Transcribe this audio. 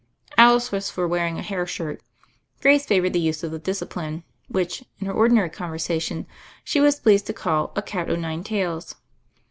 Alice was for wearing a hair shirt; Grace favored the use of the discipline, which, in her ordinary conversation, she was pleased to call a cat o' nine tails.